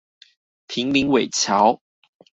坪林尾橋